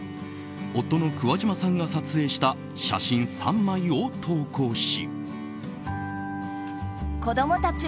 夫の桑島さんが撮影した写真３枚を投稿し。